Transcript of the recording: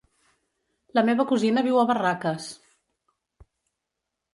La meva cosina viu a Barraques.